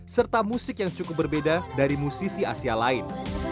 serta musik yang cukup berbeda dari musisi asia lain